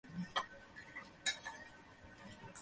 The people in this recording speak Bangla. আজ ওকে যদি ভাসিয়ে দিই তো অধর্ম হবে।